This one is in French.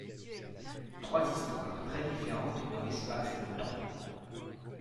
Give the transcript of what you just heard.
Trois histoires, très différentes dans l'espace et le temps.